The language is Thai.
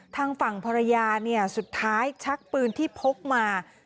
ทางฝั่งภรรยาสุดท้ายชักปืนที่พกมา